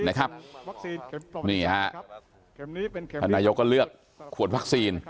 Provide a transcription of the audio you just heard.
นี่ฮะท่านนายกก็เลือกขวดวัคซีน